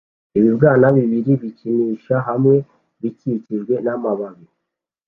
ibibwana bibiri bikinisha hamwe bikikijwe namababi